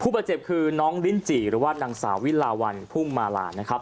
บาดเจ็บคือน้องลิ้นจี่หรือว่านางสาววิลาวันพุ่งมาลานะครับ